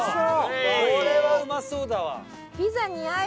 これはうまそうだわ。